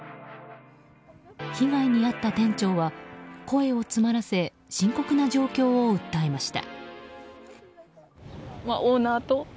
被害に遭った店長は声を詰まらせ深刻な状況を訴えました。